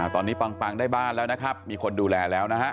ตอนนี้ปังได้บ้านแล้วนะครับมีคนดูแลแล้วนะฮะ